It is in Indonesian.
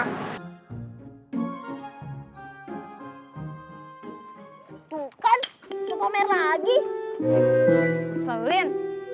tuh kan komer lagi selin